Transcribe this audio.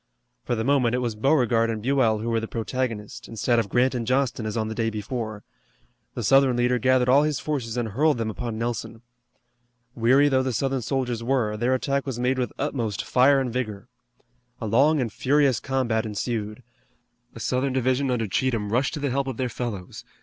For the moment it was Beauregard and Buell who were the protagonists, instead of Grant and Johnston as on the day before. The Southern leader gathered all his forces and hurled them upon Nelson. Weary though the Southern soldiers were, their attack was made with utmost fire and vigor. A long and furious combat ensued. A Southern division under Cheatham rushed to the help of their fellows.